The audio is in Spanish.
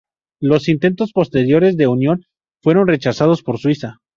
Los intentos posteriores de unión fueron rechazados por Suiza.